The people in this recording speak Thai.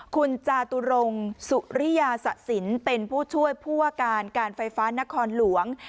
คุณจาตุรงสุริยาสะสินเป็นผู้ช่วยผู้ว่าการการไฟฟ้านครหลวง